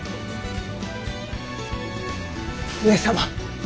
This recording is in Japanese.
上様。